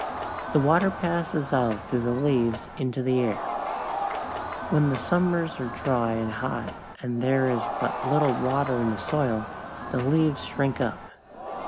The water passes out through the leaves into the air. When the summers are dry and hot and there is but little water in the soil, the leaves shrink up.